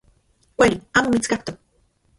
Kuali amo mitskaktok.